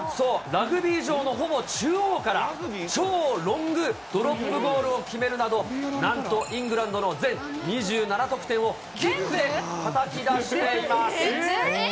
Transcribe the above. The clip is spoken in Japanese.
ラグビー場のほぼ中央から、超ロングドロップゴールを決めるなど、なんとイングランドの全２７得点をキックでたたき出しています。